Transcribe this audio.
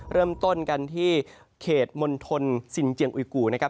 เริ่มต้นกันที่เขตมณฑลสินเจียงอุยกูนะครับ